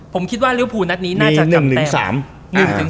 ผมคิดว่าริวภูร์นัดนี้น่าจะกำแปลว่ามี๑๓